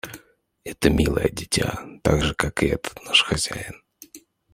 Это милое дитя, так же как этот наш хозяин.